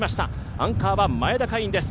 アンカーは前田海音です。